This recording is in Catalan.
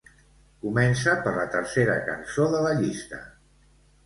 Comença per la tercera cançó de la llista.